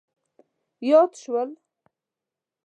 یاد شول.